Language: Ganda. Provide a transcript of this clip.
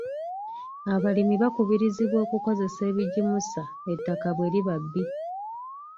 Abalimi bakubirizibwa okukozesa ebigimusa ettaka bwe liba bbi.